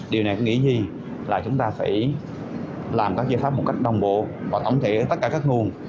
điều này có nghĩa gì là chúng ta phải làm các giải pháp một cách đồng bộ và tổng thể tất cả các nguồn